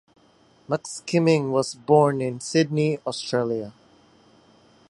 McSkimming was born in Sydney, Australia.